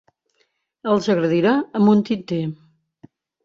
Els agredirà amb un tinter.